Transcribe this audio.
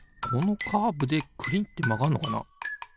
このカーブでくりんってまがんのかな？